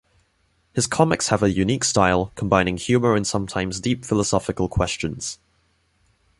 His comics have a unique style, combining humor and sometimes deep philosophical questions.